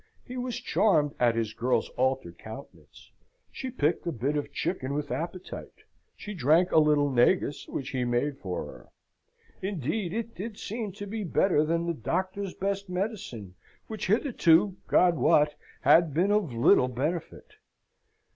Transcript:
He was charmed at his girl's altered countenance; she picked a bit of chicken with appetite: she drank a little negus, which he made for her: indeed it did seem to be better than the kind doctor's best medicine, which hitherto, God wot, had been of little benefit.